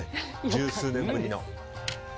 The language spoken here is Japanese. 十数年ぶりの。